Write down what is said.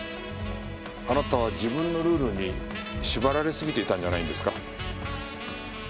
あなたは自分のルールに縛られすぎていたんじゃないですか？